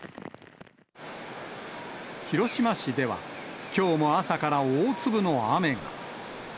広島市では、きょうも朝から大粒の雨が。